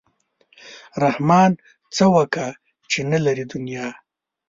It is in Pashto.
رحمان څه وکا چې نه لري دنیا.